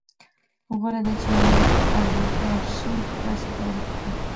غوره ده چې مالي الیګارشي داسې تعریف کړو